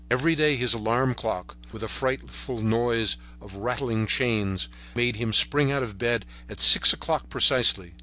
Every day his alarm clock, with a frightful noise of rattling chains, made him spring out of bed at 6 o'clock precisely.